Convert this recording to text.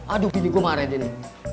aduh bini gue maharet ini